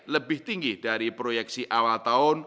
lebih tinggi dari proyeksi awal tahun